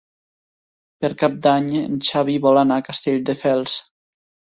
Per Cap d'Any en Xavi vol anar a Castelldefels.